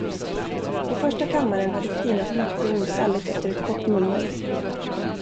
I första kammaren hade Stinas motion fallit efter ett kort mummel.